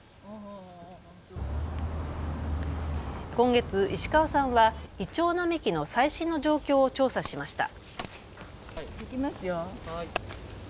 今月、石川さんはイチョウ並木の最新の状況を調査しました。